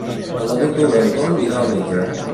El nou d'octubre en Ton irà al metge.